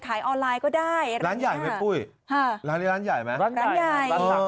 ขายออนไลน์ก็ได้ร้านใหญ่ไหมปุ้ยร้านใหญ่ร้านใหญ่มั้ยร้านใหญ่